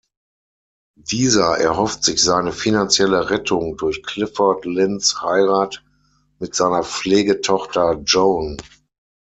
Dieser erhofft sich seine finanzielle Rettung durch Clifford Lynns Heirat mit seiner Pflegetochter Joan.